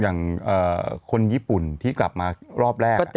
อย่างคนญี่ปุ่นที่กลับมารอบแรก